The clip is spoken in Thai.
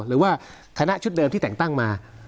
หรือว่าคณะชุดเดิมที่แต่งตั้งมา